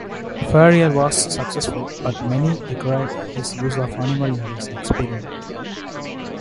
Ferrier was successful, but many decried his use of animals in his experiments.